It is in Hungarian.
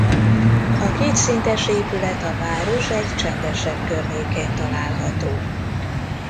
A kétszintes épület a város egy csendesebb környékén található.